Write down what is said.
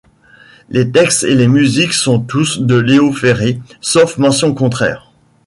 Les textes et les musiques sont tous de Léo Ferré, sauf mention contraire.